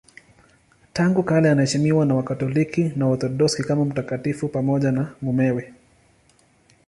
Tangu kale anaheshimiwa na Wakatoliki na Waorthodoksi kama mtakatifu pamoja na mumewe.